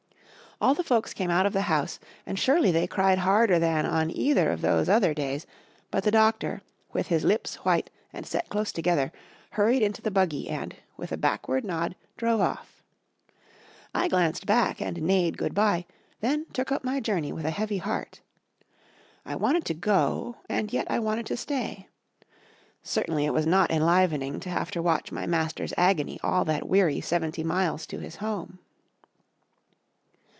All the folks came out of the house and surely they cried harder than on either of those other days, but the doctor, with his lips white and set close together, hurried into the buggy and, with a backward nod, drove off. I glanced back and neighed good by, then took up my journey with a heavy heart. I wanted to go and yet I wanted to stay. Certainly it was not enlivening to have to watch my master's agony all that weary seventy miles to his home.